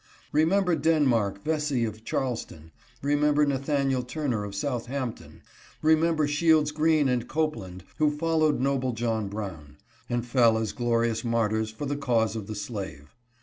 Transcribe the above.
Remember Denmark Vessey of Charleston; remember Na thaniel Turner of South Hampton; remember Shields Green and Copeland, who followed noble John Brown, and fell as glorious mar tyrs for the cause of the slave.